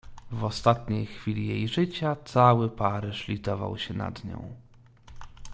"W ostatniej chwili jej życia cały Paryż litował się nad nią."